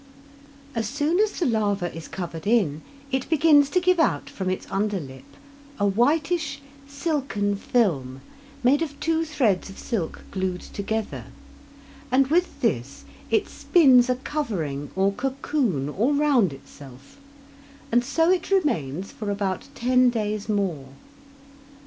As soon as the larva is covered in, it begins to give out from its under lip a whitish, silken film, made of two threads of silk glued together, and with this it spins a covering or cocoon all round itself, and so it remains for about ten days more.